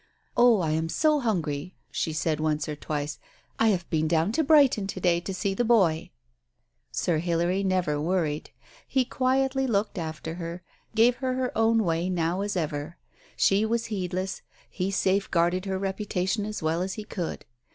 "Oh, I am so hungry," she said once or twice, "I have been down to Brighton to day to see the boy !" Sir Hilary never worried. He quietly looked after her, gave her her own way now as ever. She was heed less, he safeguarded her reputation as well as he could.